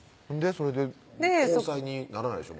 それで交際にならないでしょ？